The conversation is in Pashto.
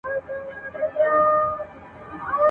نه پنځه یو نه پنځه زره کلن یو !.